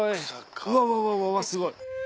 うわうわうわすごい。